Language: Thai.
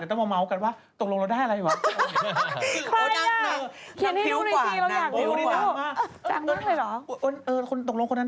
ชอบตอบคำถามเปลี่ยนเรื่องไปผลิตภัณฑ์ของตัวเอง